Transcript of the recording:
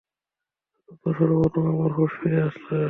অতঃপর সর্বপ্রথম আমার হুঁশ ফিরে আসবে।